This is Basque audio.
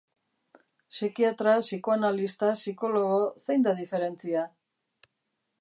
Psikiatra, psikoanalista, psikologo, zein da diferentzia?